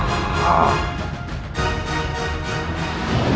aku harus mengerahkan seluruh kemampuanku